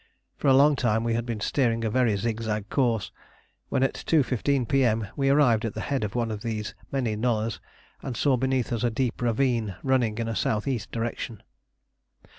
For a long time we had been steering a very zigzag course, when at 2.15 P.M. we arrived at the head of one of these many nullahs and saw beneath us a deep ravine running in a south east direction.